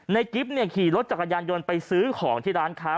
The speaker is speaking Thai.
ในกิ๊บขี่รถจากกายานยนต์ไปซื้อของที่ร้านค้ำ